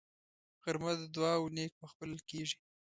غرمه د دعاو نېک وخت بلل کېږي